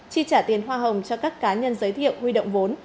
chi trả tiền hoa hồng cho các cá nhân giới thiệu huy động vốn